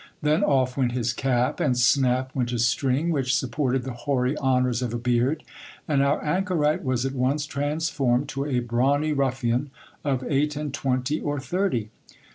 Then off went his cap, and snap went a string, which sup ported the hoary honours of a beard, and our anchorite was at once transformed to a brawny ruffian of eight and twenty or thirty.